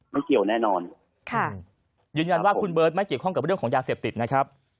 มันเกี่ยวแน่นอนค่ะยืนยันว่าคุณเบิร์ตไม่เกี่ยวข้องกับเรื่องของยาเสพติดนะครับ